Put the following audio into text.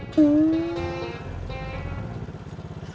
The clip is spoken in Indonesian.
lo mau nyari kontrakan